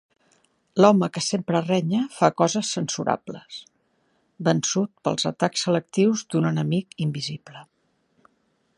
L'home que sempre renya fa coses censurables, vençut pels atacs selectius d'un enemic invisible.